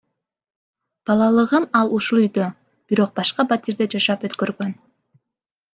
Балалыгын ал ушул үйдө, бирок башка батирде жашап өткөргөн.